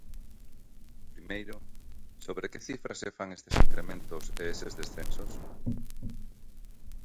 Primeiro, ¿sobre que cifras se fan estes incrementos e eses descensos?